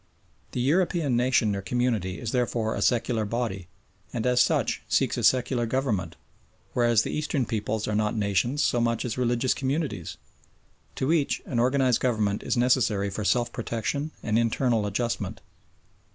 The European nation or community is therefore a secular body, and as such seeks a secular government, whereas the Eastern peoples are not nations so much as religious communities. To each an organised government is necessary for self protection and internal adjustment.